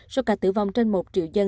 số ca tử vong trên một triệu dân